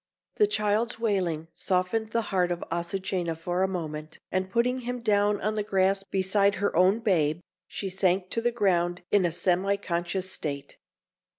The child's wailing softened the heart of Azucena for a moment, and putting him down on the grass beside her own babe, she sank to the ground in a semi conscious state.